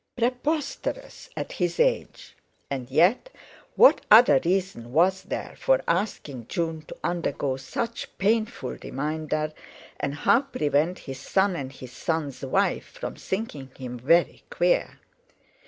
Preposterous, at his age! And yet—what other reason was there for asking June to undergo such painful reminder, and how prevent his son and his son's wife from thinking him very queer?